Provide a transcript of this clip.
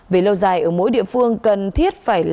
về lâu dài ở mỗi địa phương cần thiết phải làm đúng